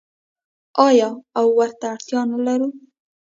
آیا او ورته اړتیا نلرو؟